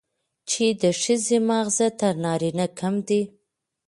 چې د ښځې ماغزه تر نارينه کم دي،